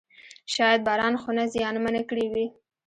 شاید باران خونه زیانمنه کړې وي.